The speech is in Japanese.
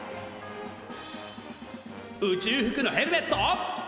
宇宙服のヘルメット。